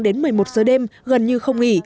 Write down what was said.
đến một mươi một giờ đêm gần như không nghỉ